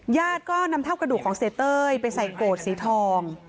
ญาติก็นำเท่ากระดูกของเสียเต้ยไปใส่โกรธสีทอง